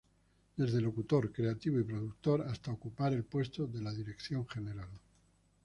Desde locutor, creativo y productor, hasta ocupar el puesto de la dirección general.